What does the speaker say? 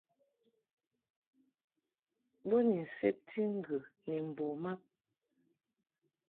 Bo ni nsebti ŋgə ni mbo mab.